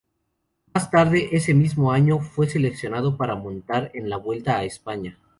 Más tarde ese mismo año, fue seleccionado para montar en la Vuelta a España.